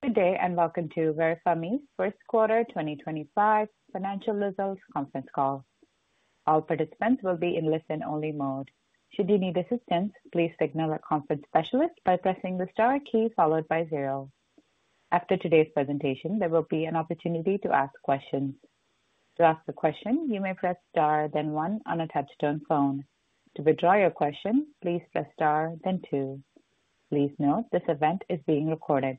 Good day and welcome to VerifyMe, First Quarter 2025 financial results conference call. All participants will be in listen-only mode. Should you need assistance, please signal a conference specialist by pressing the star key followed by zero. After today's presentation, there will be an opportunity to ask questions. To ask a question, you may press star, then one, unattached to a phone. To withdraw your question, please press star, then two. Please note this event is being recorded.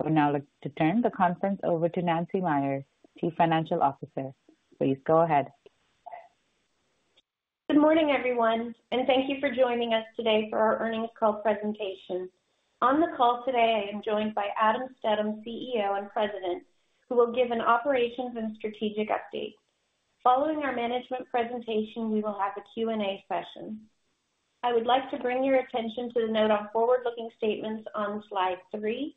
I would now like to turn the conference over to Nancy Meyers, Chief Financial Officer. Please go ahead. Good morning, everyone, and thank you for joining us today for our earnings call presentation. On the call today, I am joined by Adam Stedham, CEO and President, who will give an operations and strategic update. Following our management presentation, we will have a Q&A session. I would like to bring your attention to the note on forward-looking statements on slide three.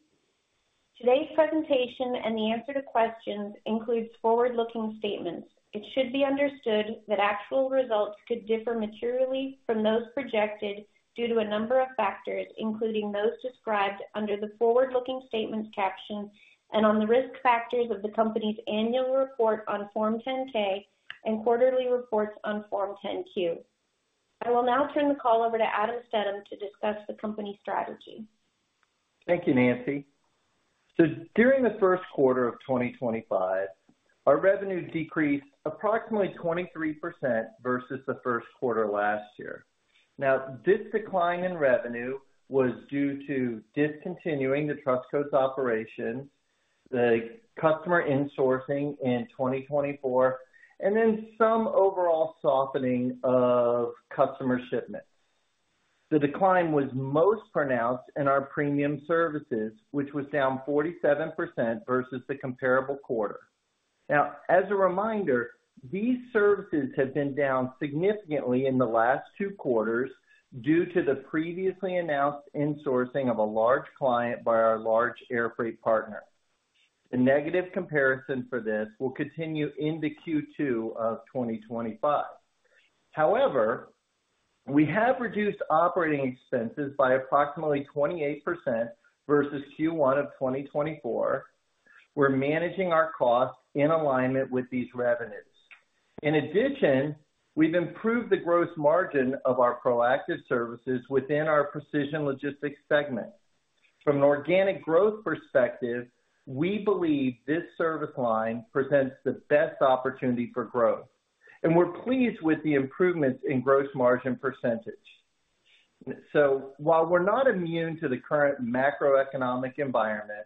Today's presentation and the answer to questions includes forward-looking statements. It should be understood that actual results could differ materially from those projected due to a number of factors, including those described under the forward-looking statements caption and on the risk factors of the company's annual report on Form 10-K and quarterly reports on Form 10-Q. I will now turn the call over to Adam Stedham to discuss the company's strategy. Thank you, Nancy. During the first quarter of 2025, our revenue decreased approximately 23% versus the first quarter last year. This decline in revenue was due to discontinuing the Trust Codes operation, the customer insourcing in 2024, and then some overall softening of customer shipments. The decline was most pronounced in our premium services, which was down 47% versus the comparable quarter. As a reminder, these services have been down significantly in the last two quarters due to the previously announced insourcing of a large client by our large air freight partner. The negative comparison for this will continue into Q2 of 2025. However, we have reduced operating expenses by approximately 28% versus Q1 of 2024. We are managing our costs in alignment with these revenues. In addition, we have improved the gross margin of our proactive services within our precision logistics segment. From an organic growth perspective, we believe this service line presents the best opportunity for growth, and we're pleased with the improvements in gross margin percentage. While we're not immune to the current macroeconomic environment,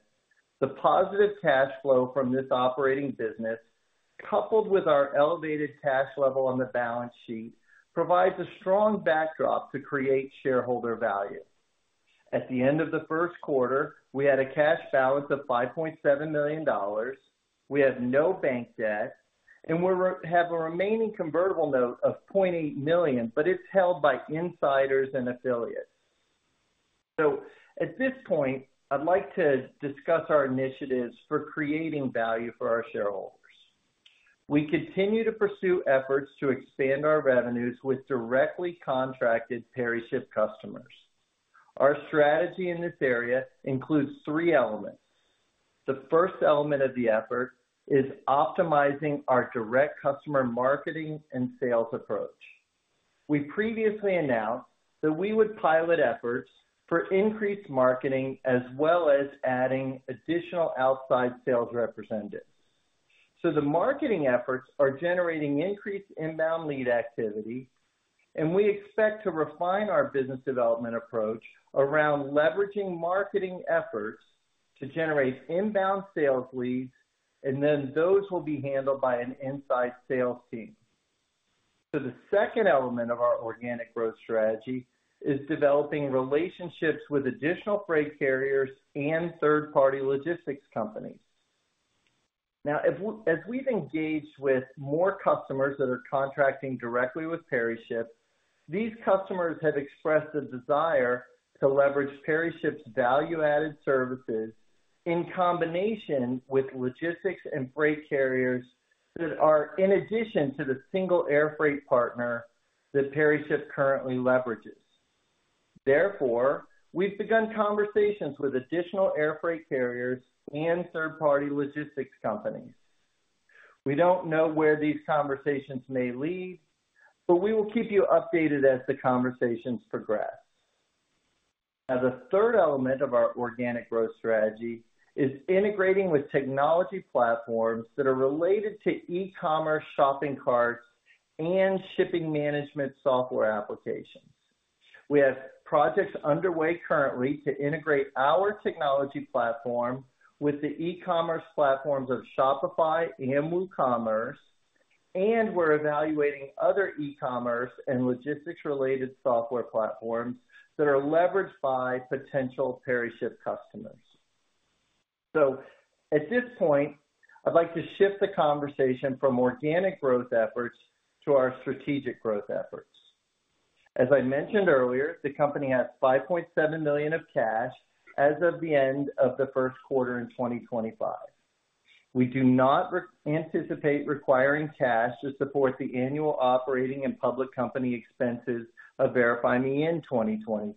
the positive cash flow from this operating business, coupled with our elevated cash level on the balance sheet, provides a strong backdrop to create shareholder value. At the end of the first quarter, we had a cash balance of $5.7 million. We have no bank debt, and we have a remaining convertible note of $0.8 million, but it's held by insiders and affiliates. At this point, I'd like to discuss our initiatives for creating value for our shareholders. We continue to pursue efforts to expand our revenues with directly contracted PeriShip customers. Our strategy in this area includes three elements. The first element of the effort is optimizing our direct customer marketing and sales approach. We previously announced that we would pilot efforts for increased marketing as well as adding additional outside sales representatives. The marketing efforts are generating increased inbound lead activity, and we expect to refine our business development approach around leveraging marketing efforts to generate inbound sales leads, and then those will be handled by an inside sales team. The second element of our organic growth strategy is developing relationships with additional freight carriers and third-party logistics companies. As we've engaged with more customers that are contracting directly with PeriShip, these customers have expressed a desire to leverage PeriShip's value-added services in combination with logistics and freight carriers that are in addition to the single air freight partner that PeriShip currently leverages. Therefore, we've begun conversations with additional air freight carriers and third-party logistics companies. We don't know where these conversations may lead, but we will keep you updated as the conversations progress. Now, the third element of our organic growth strategy is integrating with technology platforms that are related to e-commerce shopping carts and shipping management software applications. We have projects underway currently to integrate our technology platform with the e-commerce platforms of Shopify and WooCommerce, and we're evaluating other e-commerce and logistics-related software platforms that are leveraged by potential PeriShip customers. At this point, I'd like to shift the conversation from organic growth efforts to our strategic growth efforts. As I mentioned earlier, the company has $5.7 million of cash as of the end of the first quarter in 2025. We do not anticipate requiring cash to support the annual operating and public company expenses of VerifyMe in 2025.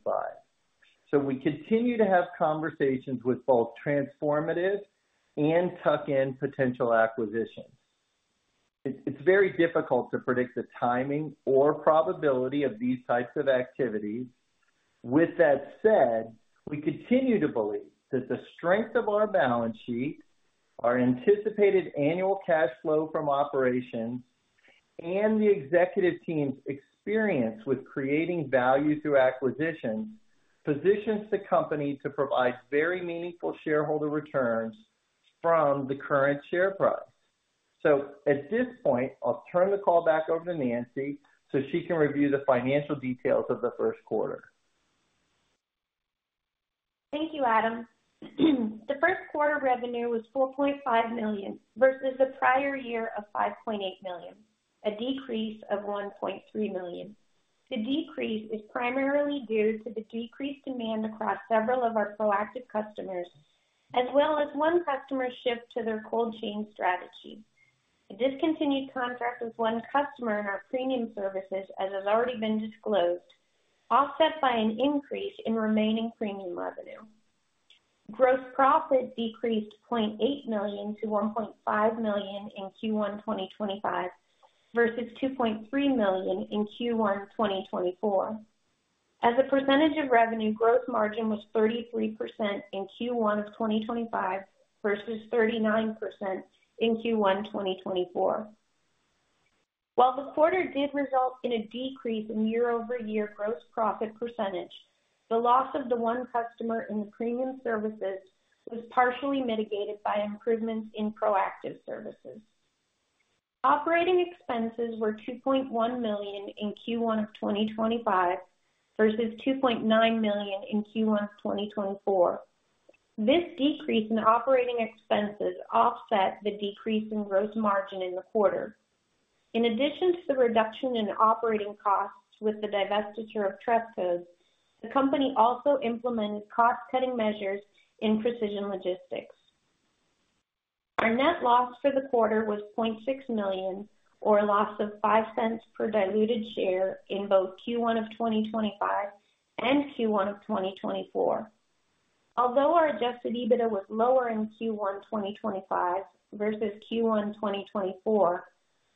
We continue to have conversations with both transformative and tuck-in potential acquisitions. It is very difficult to predict the timing or probability of these types of activities. With that said, we continue to believe that the strength of our balance sheet, our anticipated annual cash flow from operations, and the executive team's experience with creating value through acquisitions positions the company to provide very meaningful shareholder returns from the current share price. At this point, I'll turn the call back over to Nancy so she can review the financial details of the first quarter. Thank you, Adam. The first quarter revenue was $4.5 million versus the prior year of $5.8 million, a decrease of $1.3 million. The decrease is primarily due to the decreased demand across several of our proactive customers, as well as one customer's shift to their cold chain strategy. The discontinued contract with one customer in our premium services, as has already been disclosed, offset by an increase in remaining premium revenue. Gross profit decreased $0.8 million to $1.5 million in Q1 2025 versus $2.3 million in Q1 2024. As a percentage of revenue, gross margin was 33% in Q1 of 2025 versus 39% in Q1 2024. While the quarter did result in a decrease in year-over-year gross profit percentage, the loss of the one customer in the premium services was partially mitigated by improvements in proactive services. Operating expenses were $2.1 million in Q1 of 2025 versus $2.9 million in Q1 of 2024. This decrease in operating expenses offset the decrease in gross margin in the quarter. In addition to the reduction in operating costs with the divestiture of Trust Codes, the company also implemented cost-cutting measures in precision logistics. Our net loss for the quarter was $0.6 million, or a loss of $0.05 per diluted share in both Q1 of 2025 and Q1 of 2024. Although our adjusted EBITDA was lower in Q1 2025 versus Q1 2024,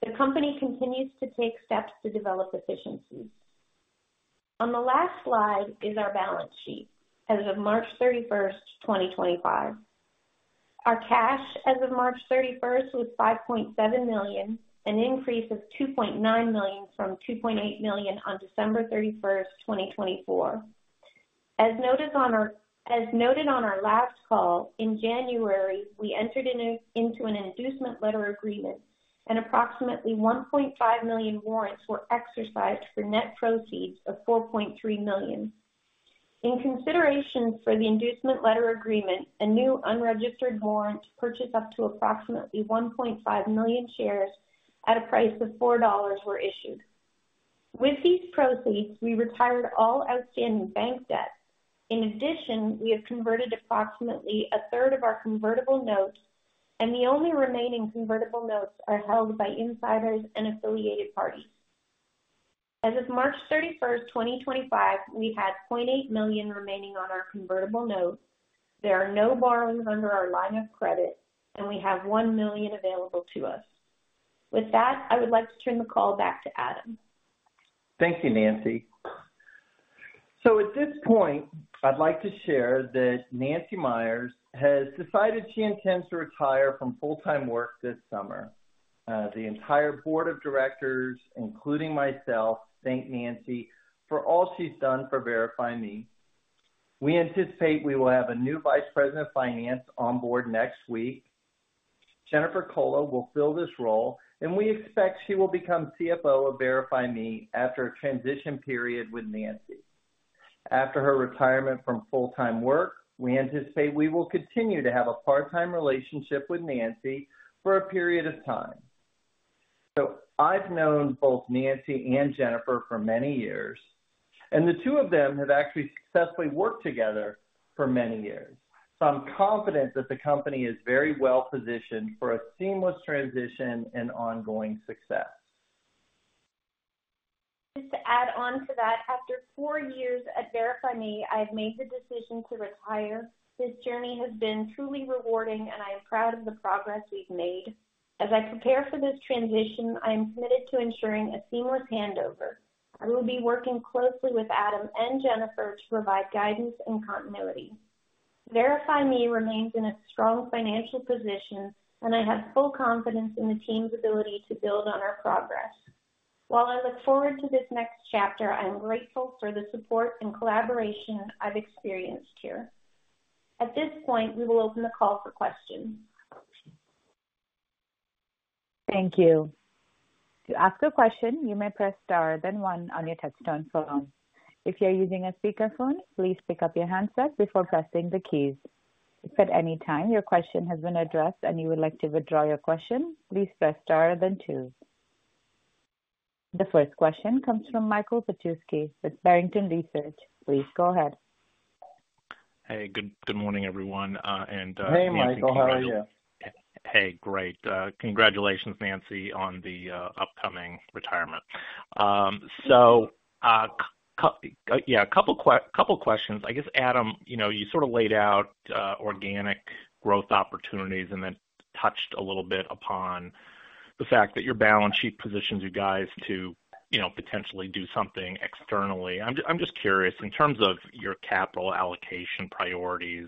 the company continues to take steps to develop efficiencies. On the last slide is our balance sheet as of March 31st, 2025. Our cash as of March 31st was $5.7 million, an increase of $2.9 million from $2.8 million on December 31st, 2024. As noted on our last call, in January, we entered into an inducement letter agreement, and approximately $1.5 million warrants were exercised for net proceeds of $4.3 million. In consideration for the inducement letter agreement, a new unregistered warrant to purchase up to approximately 1.5 million shares at a price of $4 were issued. With these proceeds, we retired all outstanding bank debt. In addition, we have converted approximately a third of our convertible notes, and the only remaining convertible notes are held by insiders and affiliated parties. As of March 31st, 2025, we had $0.8 million remaining on our convertible notes. There are no borrowings under our line of credit, and we have $1 million available to us. With that, I would like to turn the call back to Adam. Thank you, Nancy. At this point, I'd like to share that Nancy Meyers has decided she intends to retire from full-time work this summer. The entire board of directors, including myself, thank Nancy for all she's done for VerifyMe. We anticipate we will have a new Vice President of Finance on board next week. Jennifer Cola will fill this role, and we expect she will become CFO of VerifyMe after a transition period with Nancy. After her retirement from full-time work, we anticipate we will continue to have a part-time relationship with Nancy for a period of time. I've known both Nancy and Jennifer for many years, and the two of them have actually successfully worked together for many years. I'm confident that the company is very well positioned for a seamless transition and ongoing success. Just to add on to that, after four years at VerifyMe, I have made the decision to retire. This journey has been truly rewarding, and I am proud of the progress we've made. As I prepare for this transition, I am committed to ensuring a seamless handover. I will be working closely with Adam and Jennifer to provide guidance and continuity. VerifyMe remains in a strong financial position, and I have full confidence in the team's ability to build on our progress. While I look forward to this next chapter, I am grateful for the support and collaboration I've experienced here. At this point, we will open the call for questions. Thank you. To ask a question, you may press star then one on your touchstone phone. If you're using a speakerphone, please pick up your handset before pressing the keys. If at any time your question has been addressed and you would like to withdraw your question, please press star then two. The first question comes from Michael Petusky with Barrington Research. Please go ahead. Hey, good morning, everyone. Hey, Michael, how are you? Hey, great. Congratulations, Nancy, on the upcoming retirement. Yeah, a couple of questions. I guess, Adam, you sort of laid out organic growth opportunities and then touched a little bit upon the fact that your balance sheet positions you guys to potentially do something externally. I'm just curious, in terms of your capital allocation priorities,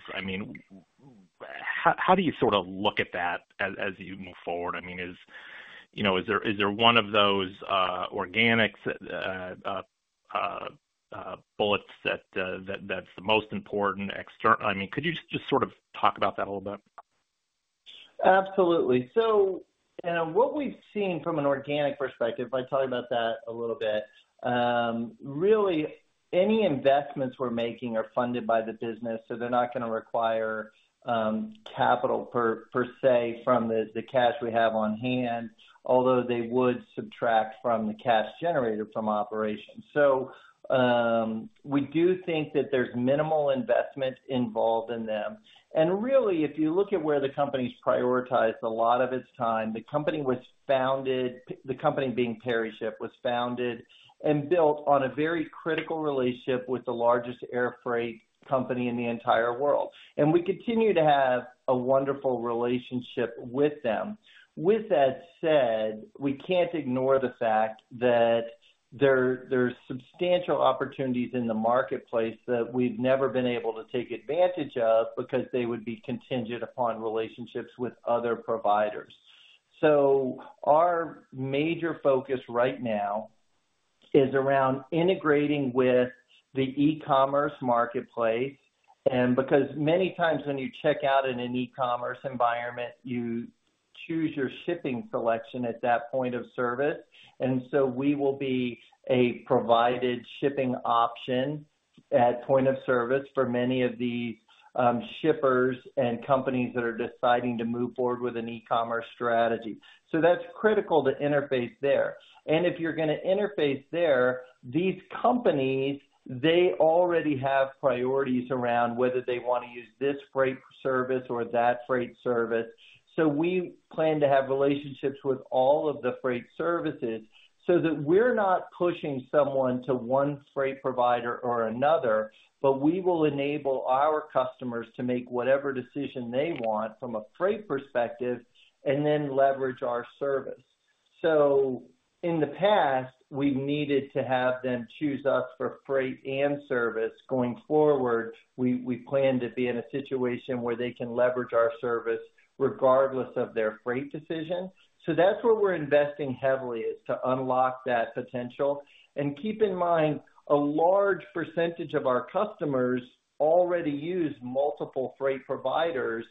how do you sort of look at that as you move forward? I mean, is there one of those organic bullets that's the most important external? Could you just sort of talk about that a little bit? Absolutely. What we've seen from an organic perspective, if I talk about that a little bit, really any investments we're making are funded by the business, so they're not going to require capital per se from the cash we have on hand, although they would subtract from the cash generated from operations. We do think that there's minimal investment involved in them. If you look at where the company's prioritized a lot of its time, the company was founded—the company being PeriShip—was founded and built on a very critical relationship with the largest air freight company in the entire world. We continue to have a wonderful relationship with them. With that said, we can't ignore the fact that there are substantial opportunities in the marketplace that we've never been able to take advantage of because they would be contingent upon relationships with other providers. Our major focus right now is around integrating with the e-commerce marketplace. Because many times when you check out in an e-commerce environment, you choose your shipping selection at that point of service. We will be a provided shipping option at point of service for many of these shippers and companies that are deciding to move forward with an e-commerce strategy. That is critical to interface there. If you are going to interface there, these companies already have priorities around whether they want to use this freight service or that freight service. We plan to have relationships with all of the freight services so that we are not pushing someone to one freight provider or another, but we will enable our customers to make whatever decision they want from a freight perspective and then leverage our service. In the past, we've needed to have them choose us for freight and service. Going forward, we plan to be in a situation where they can leverage our service regardless of their freight decision. That's where we're investing heavily, to unlock that potential. Keep in mind, a large percentage of our customers already use multiple freight providers,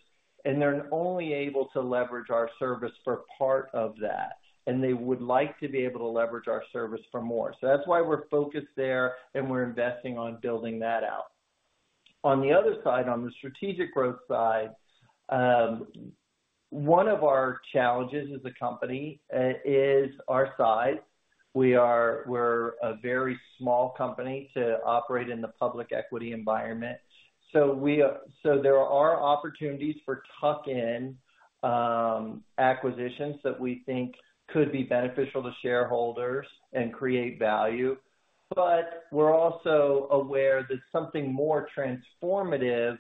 and they're only able to leverage our service for part of that, and they would like to be able to leverage our service for more. That's why we're focused there, and we're investing on building that out. On the other side, on the strategic growth side, one of our challenges as a company is our size. We're a very small company to operate in the public equity environment. There are opportunities for tuck-in acquisitions that we think could be beneficial to shareholders and create value. We are also aware that something more transformative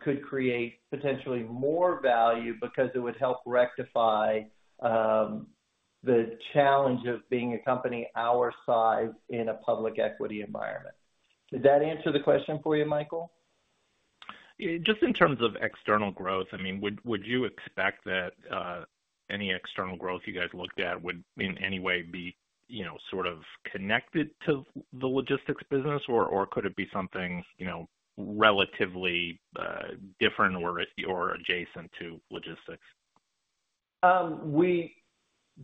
could create potentially more value because it would help rectify the challenge of being a company our size in a public equity environment. Did that answer the question for you, Michael? Just in terms of external growth, I mean, would you expect that any external growth you guys looked at would in any way be sort of connected to the logistics business, or could it be something relatively different or adjacent to logistics?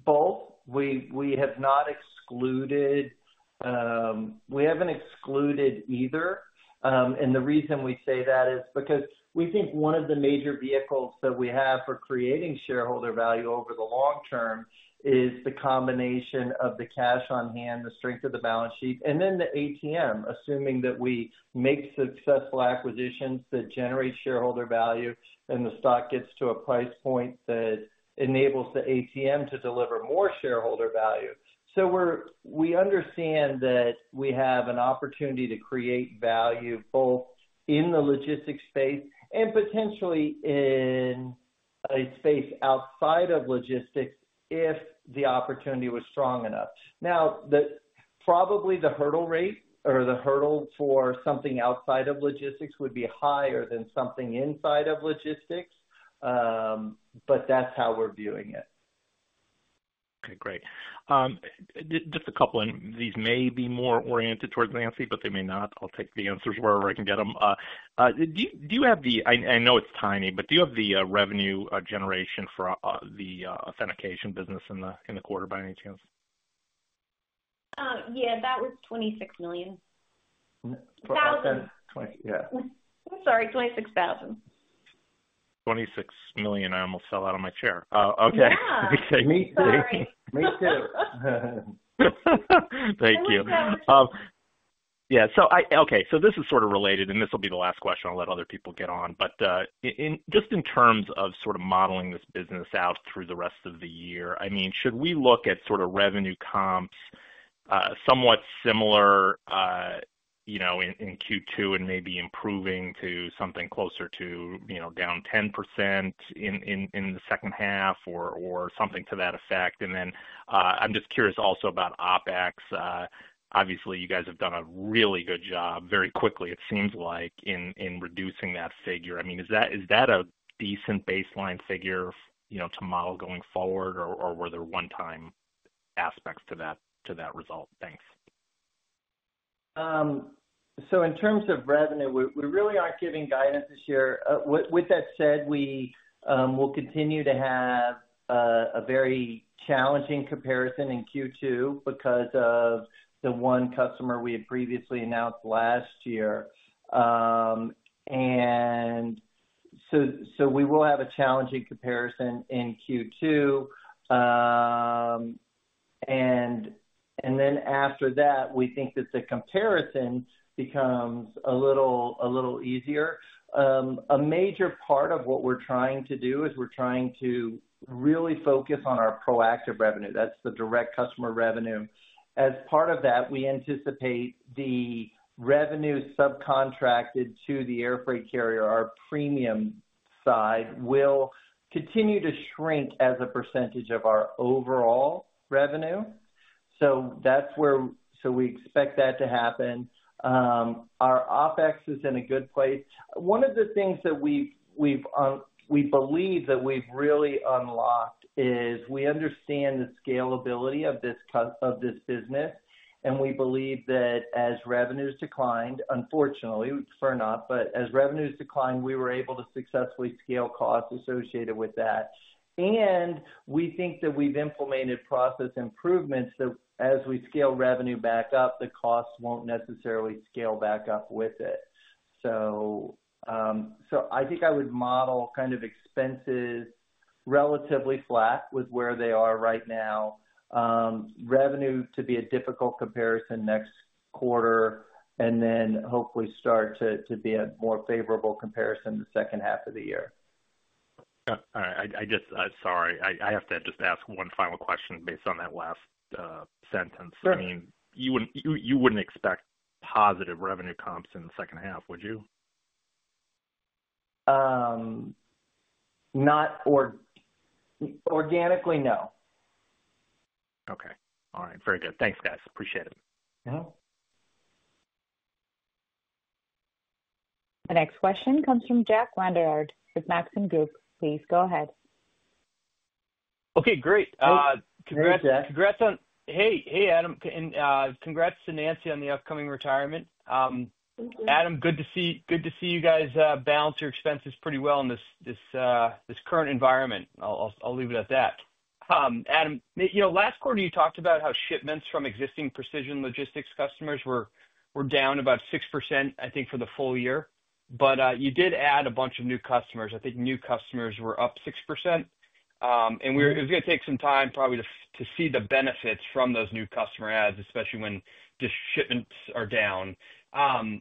Both. We have not excluded—we haven't excluded either. The reason we say that is because we think one of the major vehicles that we have for creating shareholder value over the long term is the combination of the cash on hand, the strength of the balance sheet, and then the ATM, assuming that we make successful acquisitions that generate shareholder value and the stock gets to a price point that enables the ATM to deliver more shareholder value. We understand that we have an opportunity to create value both in the logistics space and potentially in a space outside of logistics if the opportunity was strong enough. Now, probably the hurdle rate or the hurdle for something outside of logistics would be higher than something inside of logistics, but that's how we're viewing it. Okay, great. Just a couple of these. May be more oriented towards Nancy, but they may not. I'll take the answers wherever I can get them. Do you have the—I know it's tiny—but do you have the revenue generation for the authentication business in the quarter, by any chance? Yeah, that was $26 million. $2,000? Yeah. I'm sorry, $26,000. $26 million. I almost fell out of my chair. Okay. Yeah. Me too. Thank you. Yeah. Okay. This is sort of related, and this will be the last question. I'll let other people get on. Just in terms of sort of modeling this business out through the rest of the year, I mean, should we look at sort of revenue comps somewhat similar in Q2 and maybe improving to something closer to down 10% in the second half or something to that effect? I'm just curious also about OpEx. Obviously, you guys have done a really good job very quickly, it seems like, in reducing that figure. I mean, is that a decent baseline figure to model going forward, or were there one-time aspects to that result? Thanks. In terms of revenue, we really aren't giving guidance this year. With that said, we will continue to have a very challenging comparison in Q2 because of the one customer we had previously announced last year. We will have a challenging comparison in Q2. After that, we think that the comparison becomes a little easier. A major part of what we're trying to do is we're trying to really focus on our proactive revenue. That's the direct customer revenue. As part of that, we anticipate the revenue subcontracted to the air freight carrier, our premium side, will continue to shrink as a percentage of our overall revenue. We expect that to happen. Our OpEx is in a good place. One of the things that we believe that we've really unlocked is we understand the scalability of this business, and we believe that as revenues declined, unfortunately, it's fair enough, but as revenues declined, we were able to successfully scale costs associated with that. We think that we've implemented process improvements that as we scale revenue back up, the costs won't necessarily scale back up with it. I think I would model kind of expenses relatively flat with where they are right now, revenue to be a difficult comparison next quarter, and then hopefully start to be a more favorable comparison the second half of the year. All right. Sorry. I have to just ask one final question based on that last sentence. I mean, you wouldn't expect positive revenue comps in the second half, would you? Not organically, no. Okay. All right. Very good. Thanks, guys. Appreciate it. The next question comes from Jack Vander Aarde with Maxim Group. Please go ahead. Okay, great. Congrats on—hey, Adam, and congrats to Nancy on the upcoming retirement. Adam, good to see you guys balance your expenses pretty well in this current environment. I'll leave it at that. Adam, last quarter, you talked about how shipments from existing Precision Logistics customers were down about 6% for the full year. But you did add a bunch of new customers. I think new customers were up 6%. It was going to take some time probably to see the benefits from those new customer adds, especially when just shipments are down. Can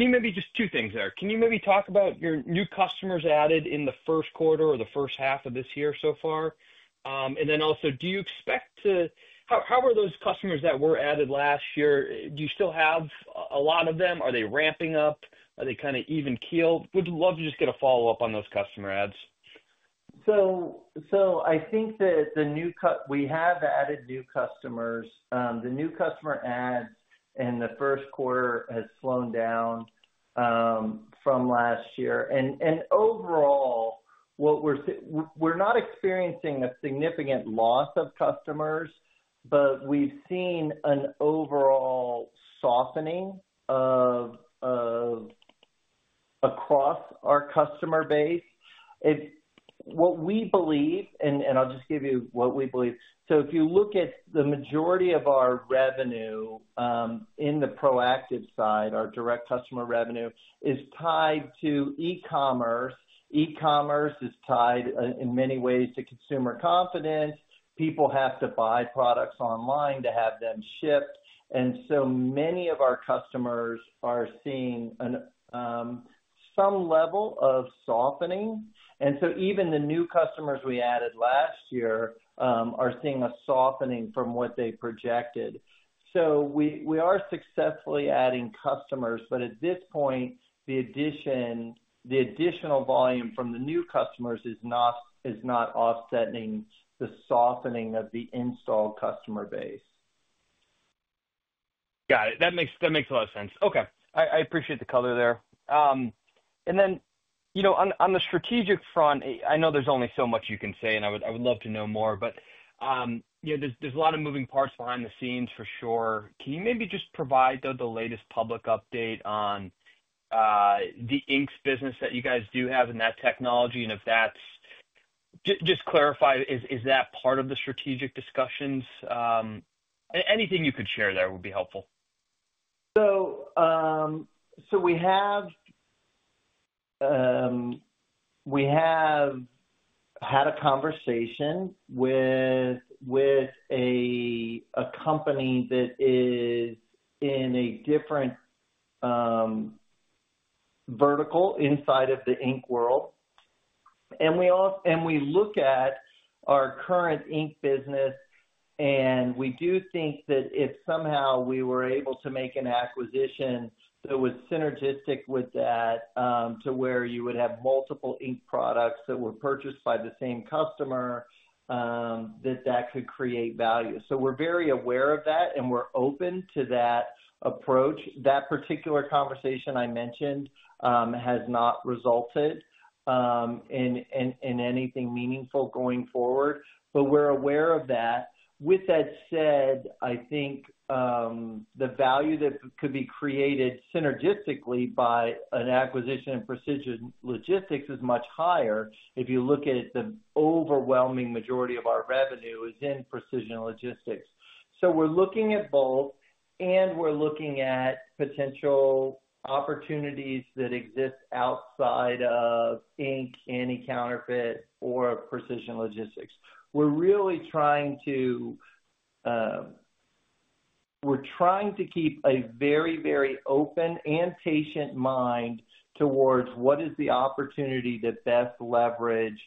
you maybe just two things there? Can you maybe talk about your new customers added in the first quarter or the first half of this year so far? Also, do you expect to—how are those customers that were added last year? Do you still have a lot of them? Are they ramping up? Are they kind of even keeled? Would love to just get a follow-up on those customer adds. I think that we have added new customers. The new customer adds in the first quarter have slowed down from last year. Overall, we're not experiencing a significant loss of customers, but we've seen an overall softening across our customer base. What we believe—and I'll just give you what we believe. If you look at the majority of our revenue in the proactive side, our direct customer revenue is tied to e-commerce. E-commerce is tied in many ways to consumer confidence. People have to buy products online to have them shipped. Many of our customers are seeing some level of softening. Even the new customers we added last year are seeing a softening from what they projected. We are successfully adding customers, but at this point, the additional volume from the new customers is not offsetting the softening of the installed customer base. Got it. That makes a lot of sense. Okay. I appreciate the color there. On the strategic front, I know there's only so much you can say, and I would love to know more, but there's a lot of moving parts behind the scenes for sure. Can you maybe just provide, though, the latest public update on the Inks business that you guys do have and that technology? If that's—just clarify, is that part of the strategic discussions? Anything you could share there would be helpful. We have had a conversation with a company that is in a different vertical inside of the ink world. We look at our current ink business, and we do think that if somehow we were able to make an acquisition that was synergistic with that to where you would have multiple ink products that were purchased by the same customer, that that could create value. We are very aware of that, and we are open to that approach. That particular conversation I mentioned has not resulted in anything meaningful going forward, but we are aware of that. With that said, I think the value that could be created synergistically by an acquisition in Precision Logistics is much higher if you look at the overwhelming majority of our revenue is in Precision Logistics. We're looking at both, and we're looking at potential opportunities that exist outside of ink and e-counterfeit or Precision Logistics. We're really trying to keep a very, very open and patient mind towards what is the opportunity to best leverage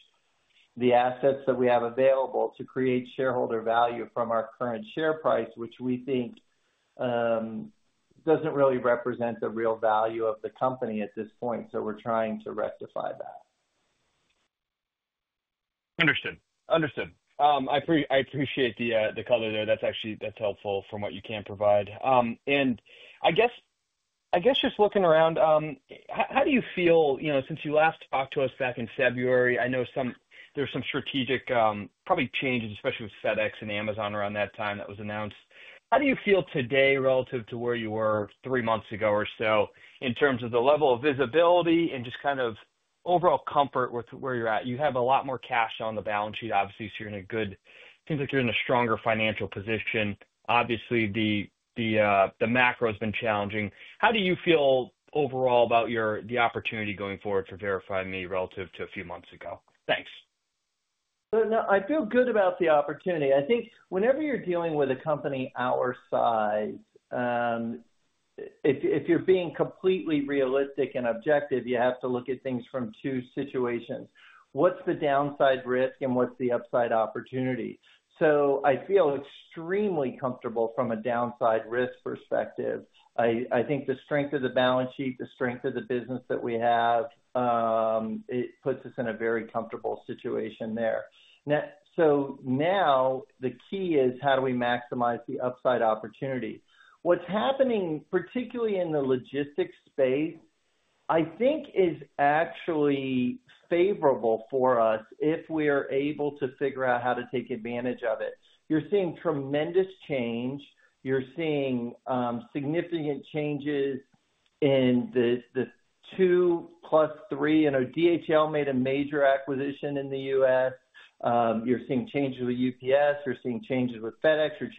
the assets that we have available to create shareholder value from our current share price, which we think doesn't really represent the real value of the company at this point. We're trying to rectify that. Understood. Understood. I appreciate the color there. That's helpful from what you can provide. I guess just looking around, how do you feel since you last talked to us back in February? I know there were some strategic probably changes, especially with FedEx and Amazon around that time that was announced. How do you feel today relative to where you were three months ago or so in terms of the level of visibility and just kind of overall comfort with where you're at? You have a lot more cash on the balance sheet, obviously, so you're in a good—seems like you're in a stronger financial position. Obviously, the macro has been challenging. How do you feel overall about the opportunity going forward for VerifyMe relative to a few months ago? Thanks. I feel good about the opportunity. I think whenever you're dealing with a company our size, if you're being completely realistic and objective, you have to look at things from two situations. What's the downside risk, and what's the upside opportunity? I feel extremely comfortable from a downside risk perspective. I think the strength of the balance sheet, the strength of the business that we have, it puts us in a very comfortable situation there. Now the key is how do we maximize the upside opportunity? What's happening, particularly in the logistics space, I think is actually favorable for us if we are able to figure out how to take advantage of it. You're seeing tremendous change. You're seeing significant changes in the two plus three. DHL made a major acquisition in the U.S. You're seeing changes with UPS. You're seeing changes with FedEx. You're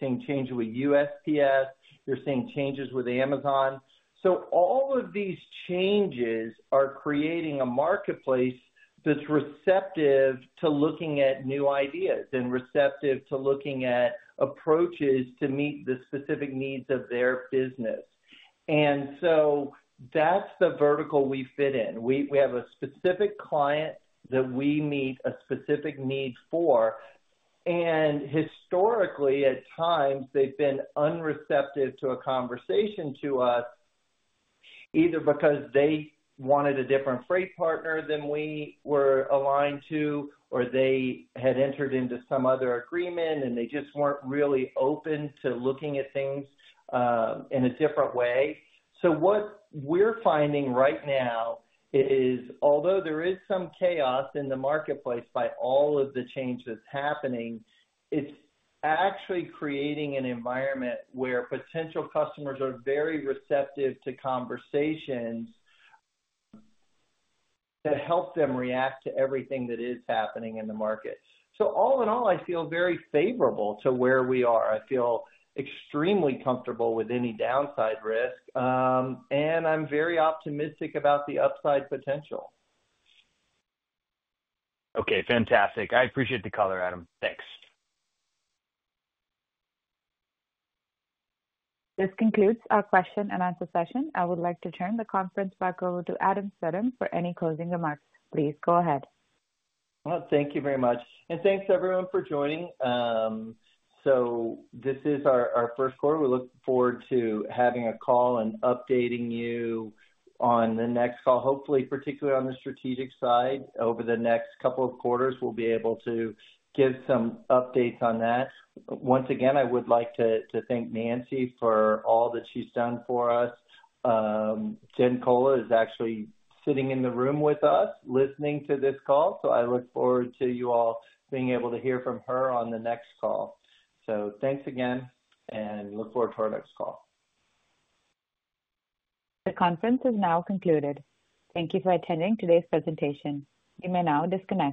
seeing changes with USPS. You're seeing changes with Amazon. All of these changes are creating a marketplace that's receptive to looking at new ideas and receptive to looking at approaches to meet the specific needs of their business. That's the vertical we fit in. We have a specific client that we meet a specific need for. Historically, at times, they've been unreceptive to a conversation to us, either because they wanted a different freight partner than we were aligned to, or they had entered into some other agreement, and they just weren't really open to looking at things in a different way. What we're finding right now is, although there is some chaos in the marketplace by all of the changes happening, it's actually creating an environment where potential customers are very receptive to conversations that help them react to everything that is happening in the market. All in all, I feel very favorable to where we are. I feel extremely comfortable with any downside risk, and I'm very optimistic about the upside potential. Okay. Fantastic. I appreciate the color, Adam. Thanks. This concludes our question and answer session. I would like to turn the conference back over to Adam Stedham for any closing remarks. Please go ahead. Thank you very much. Thanks, everyone, for joining. This is our first quarter. We look forward to having a call and updating you on the next call, hopefully, particularly on the strategic side. Over the next couple of quarters, we'll be able to give some updates on that. Once again, I would like to thank Nancy for all that she's done for us. Jen Cola is actually sitting in the room with us listening to this call, so I look forward to you all being able to hear from her on the next call. Thanks again, and look forward to our next call. The conference is now concluded. Thank you for attending today's presentation. You may now disconnect.